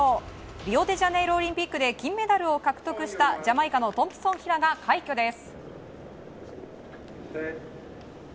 リオデジャネイロオリンピックで金メダルを獲得したジャマイカのトンプソン・ヒラが快挙です。